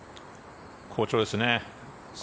好調ですね。